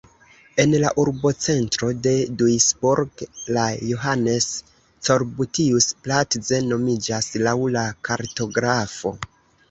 En la urbocentro de Duisburg la "Johannes-Corputius-Platz" nomiĝas laŭ la kartografo.